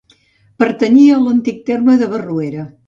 Pertanyia a l'antic terme de Barruera.